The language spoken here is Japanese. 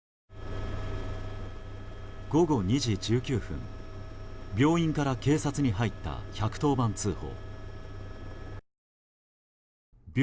午後２時１９分病院から警察に入った１１０番通報。